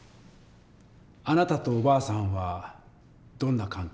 あなたとおばあさんはどんな関係でしたか？